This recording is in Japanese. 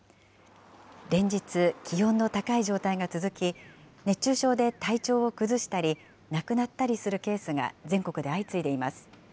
連日、気温の高い状態が続き、熱中症で体調を崩したり、亡くなったりするケースが全国で相次いでいます。